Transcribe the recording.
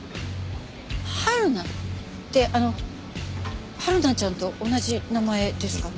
はるな？ってあの春菜ちゃんと同じ名前ですか？